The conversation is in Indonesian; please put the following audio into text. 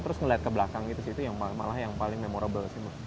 terus ngelihat ke belakang gitu sih itu yang malah yang paling memorable sih